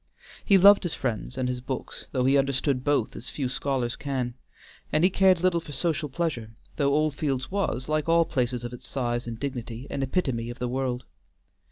He loved his friends and his books, though he understood both as few scholars can, and he cared little for social pleasure, though Oldfields was, like all places of its size and dignity, an epitome of the world.